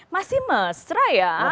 masih mesra ya